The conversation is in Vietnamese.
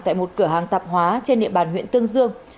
tại một cửa hàng tạp hóa trên địa bàn huyện tương dương